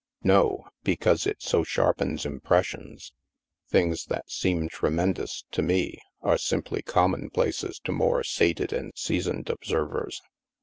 "No. Because it so sharpens impressions. Things that seem tremendous to me are simply com monplaces to more sated and seasoned observers.